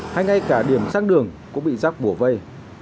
hay ngay cả điểm sang đường cũng bị rác bổ vây